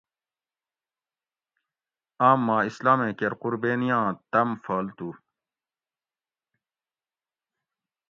آم ما اسلامیں کیر قربینیاں تۤم فالتو